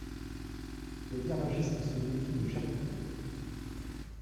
Des garagistes se méfient de charcutiers.